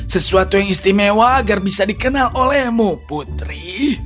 sesuatu yang istimewa agar bisa dikenal olehmu putri